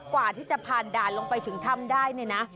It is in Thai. กว่าที่จะผ่านด่านลงไปถึงถ้ำได้